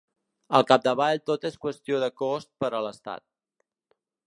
Al capdavall tot és qüestió de cost per a l’estat.